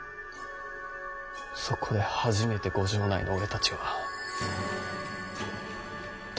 そこで初めて御城内の俺たちは鳥羽伏見で。